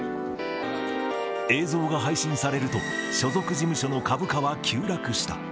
映像が配信されると、所属事務所の株価は急落した。